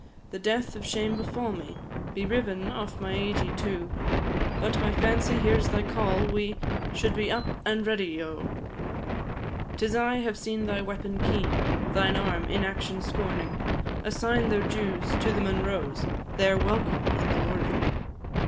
The death of shame befal me, Be riven off my eididh too, But my fancy hears thy call we Should all be up and ready, O! 'Tis I have seen thy weapon keen, Thine arm, inaction scorning, Assign their dues to the Munroes, Their welcome in the morning.